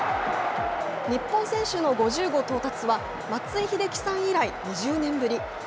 日本選手の５０号到達は、松井秀喜さん以来、２０年ぶり。